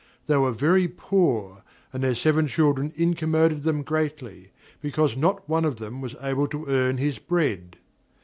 They were very poor, and their seven children incommoded them greatly, because not one of them was able to earn his bread.